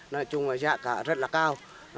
nói chung là giá cả rất là cao